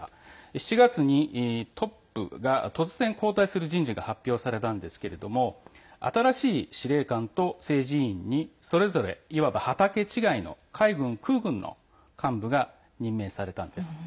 ７月にトップが突然、交代する人事が発表されたのですが新しい司令官と政治委員にそれぞれ、いわば畑違いの海軍、空軍の幹部が任命されたんです。